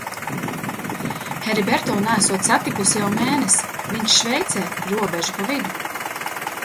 Heriberto neesot satikusi jau mēnesi, - viņš Šveicē, robeža pa vidu.